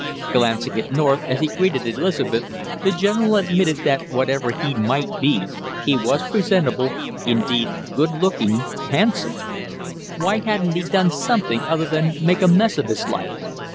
Glancing at North as he greeted Elizabeth, the general admitted that whatever he might be, he was presentable, indeed good looking, handsome. Why hadn't he done something other than make a mess of his life!